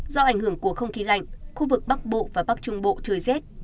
do ảnh hưởng của không khí lạnh khu vực bắc bộ và bắc trung bộ trời rét